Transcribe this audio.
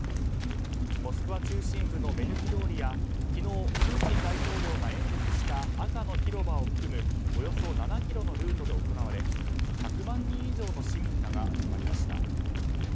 モスクワ中心部の目抜き通りや昨日、プーチン大統領が演説した、赤の広場を含むおよそ７ｋｍのルートで行われ１００万人以上の市民らが集まりました。